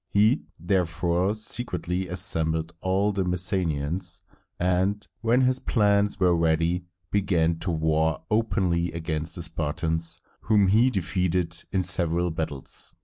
He therefore secretly assembled all the Messenians, and, when his plans were ready, began to war openly against the Spartans, whom he defeated in several battles.